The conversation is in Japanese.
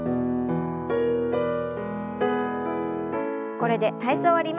これで体操を終わります。